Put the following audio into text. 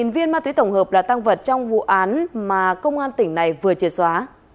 một mươi viên ma túy tổng hợp là tăng vật trong vụ án mà công an tỉnh này vừa triệt xóa